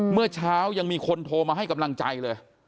เมื่อเช้ายังมีคนโทรมาให้กำลังใจเลย